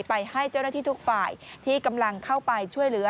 ให้เจ้าหน้าที่ทุกฝ่ายที่กำลังเข้าไปช่วยเหลือ